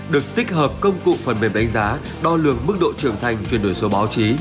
được tích hợp công cụ phần mềm đánh giá đo lường mức độ trưởng thành chuyển đổi số báo chí